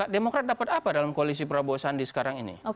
demokrat dapat apa dalam koalisi prabowo sandi sekarang ini